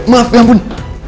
maaf ya ampun